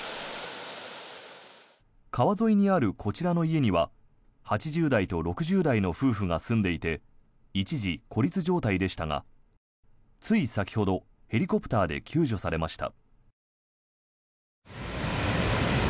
川沿いにあるこちらの家には８０代と６０代の夫婦が住んでいて一時、孤立状態でしたがつい先ほどヘリコプターで救助されました。